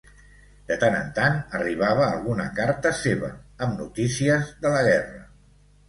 De tant en tant arribava alguna carta seva amb notícies de la guerra.